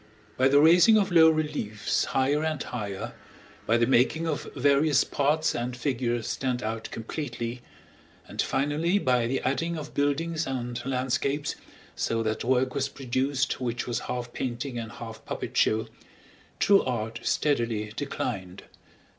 By the raising of low reliefs higher and higher, by the making of various parts and figures stand out completely, and finally by the adding of buildings and landscapes, so that work was produced which was half painting and half puppet show, true art steadily declined.